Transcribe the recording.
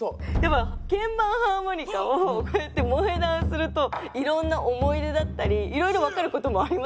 鍵盤ハーモニカをこうやって萌え断するといろんな思い出だったりいろいろ分かることもありますね。